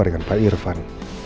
dengan pak irvan